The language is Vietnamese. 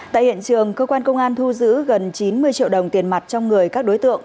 tại hiện trường cơ quan công an thu giữ gần chín mươi triệu đồng tiền mặt trong người các đối tượng